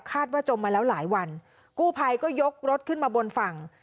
จมมาแล้วหลายวันกู้ภัยก็ยกรถขึ้นมาบนฝั่ง